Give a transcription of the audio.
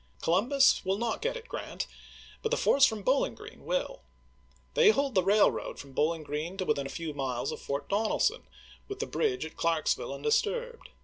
Columbus will not get at G rant, but the force from Bowling Green will. They hold the railroad from Bowling Green to within a few miles of Fort Donelson, with the bridge at Clarksville undisturbed.